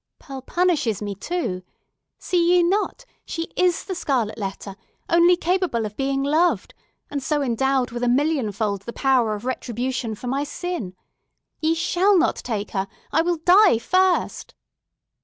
Pearl punishes me, too! See ye not, she is the scarlet letter, only capable of being loved, and so endowed with a millionfold the power of retribution for my sin? Ye shall not take her! I will die first!"